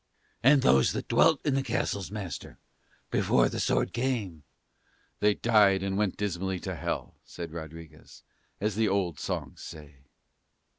"And those that dwelt in the castles, master, before the sword came?" said Morano. "They died and went dismally to Hell," said Rodriguez, "as the old songs say."